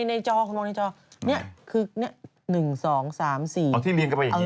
อ๋อที่เรียงกันไปอย่างนี้ใช่ไหม